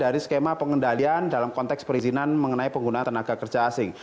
dan ini juga adalah sebuah perintah yang kita lakukan dalam konteks perizinan mengenai penggunaan tenaga kerja asing